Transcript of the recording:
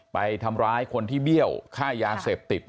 ไปทำร้ายคนที่เบี้ยวค่ายาเสพติด